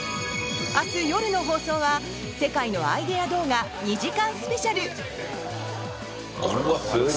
明日夜の放送は世界のアイデア動画２時間スペシャル。